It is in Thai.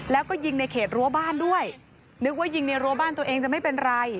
แล้วก็ยิงในเขตรั้วบ้านด้วยนึกว่ายิงในรั้วบ้านตัวเองจะไม่เป็นไร